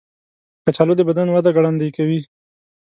کچالو د بدن وده ګړندۍ کوي.